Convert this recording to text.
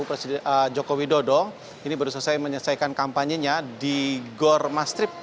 presiden joko widodo ini baru selesai menyelesaikan kampanye nya di gor mastrip